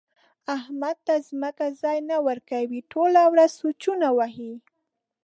احمد ته ځمکه ځای نه ورکوي؛ ټوله ورځ سوچونه وهي.